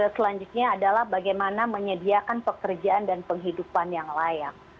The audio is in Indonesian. selanjutnya adalah bagaimana menyediakan pekerjaan dan penghidupan yang layak